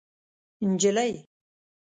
نجلۍ